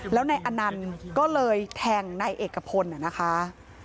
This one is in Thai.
แล้วในอันนั้นก็เลยแทงในเอกพลนะคะ